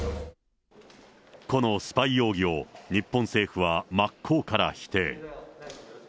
このスパイ容疑を、日本政府は真っ向から否定。